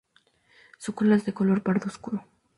Su cola es de color pardo oscuro.